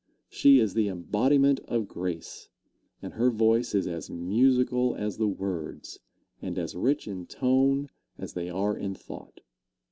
she is the embodiment of grace, and her voice is as musical as the words, and as rich in tone as they are in thought.